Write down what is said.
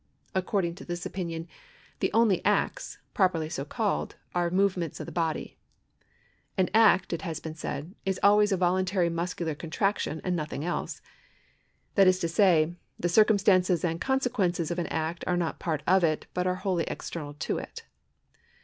According to this opinion the only acts, properly so called, are move ments of the body. " An act," it has been said,i " is always a voluntary muscular contraction and nothing else." That is to say, the circumstances and consequences of an act are not part of it, but are wholly external to it.